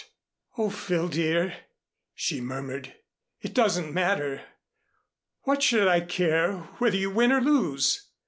"Oh, Phil, dear," she murmured. "It doesn't matter. What should I care whether you win or lose?